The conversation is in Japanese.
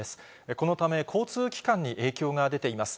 このため、交通機関に影響が出ています。